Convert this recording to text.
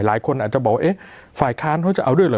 หลายคนอาจจะบอกเอ๊ะฝ่ายค้านเขาจะเอาด้วยเหรอ